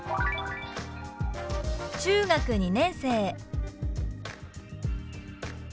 「中学２年生」。